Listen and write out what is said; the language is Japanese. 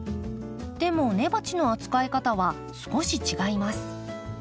でも根鉢の扱い方は少し違います。